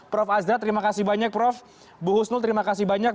prof azhar terima kasih banyak prof bu husnul terima kasih banyak